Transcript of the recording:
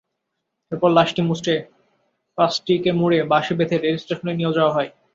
এরপর লাশটি মুচড়ে প্লাস্টিকে মুড়ে বাঁশে বেঁধে রেলস্টেশনে নিয়ে যাওয়া হয়।